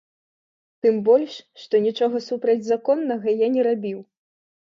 Тым больш, што нічога супрацьзаконнага я не рабіў.